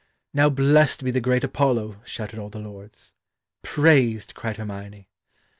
"Now blessed be the great Apollo!" shouted all the lords. "Praised!" cried Hermione.